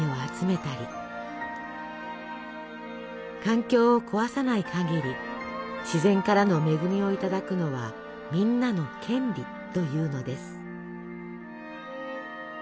環境を壊さないかぎり自然からの恵みをいただくのはみんなの権利というのです。